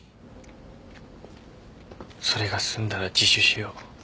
それが済んだら自首しよう。